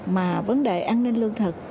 mà vấn đề an ninh lương thực